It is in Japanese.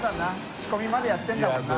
仕込みまでやってるんだもんな。